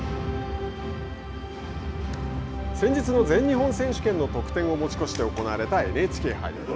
先日の全日本選手権の得点を持ち越して行われたＮＨＫ杯。